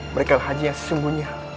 mereka haji yang sesungguhnya